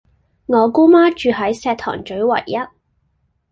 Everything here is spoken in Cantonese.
我姑媽住喺石塘嘴維壹